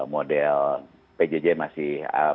model pjj masih pilihan pilihan kemudian berikutnya masih pilihan